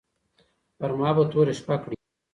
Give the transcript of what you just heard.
پر ما به توره شپه کړې